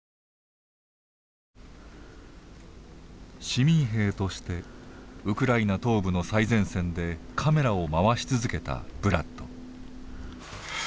市民兵としてウクライナ東部の最前線でカメラを回し続けたブラッド。